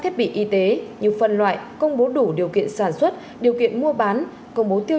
thiết bị y tế như phân loại công bố đủ điều kiện sản xuất điều kiện mua bán công bố tiêu